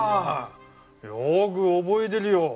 よく覚えてるよ。